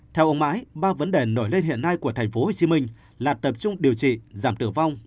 theo ông mãi ba vấn đề nổi lên hiện nay của tp hcm là tập trung điều trị giảm tử vong